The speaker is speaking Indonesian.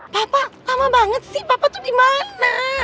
papa lama banget sih papa tuh dimana